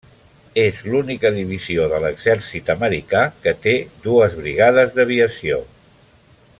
És l'única divisió de l'Exèrcit americà que té dues brigades d'aviació.